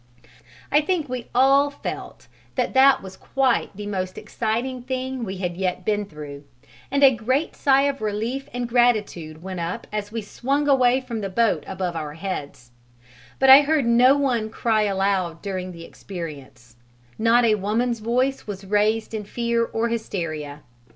I think we all felt that that was quite the most exciting thing we had yet been through, and a great sigh of relief and gratitude went up as we swung away from the boat above our heads; but I heard no one cry aloud during the experience not a woman's voice was raised in fear or hysteria.